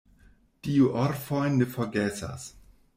Dio orfojn ne forgesas.